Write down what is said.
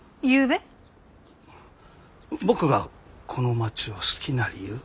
僕がこの町を好きな理由。